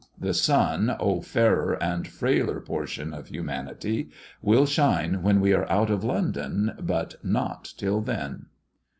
The sun, O fairer and frailer portion of humanity, will shine when we are out of London, but not till then.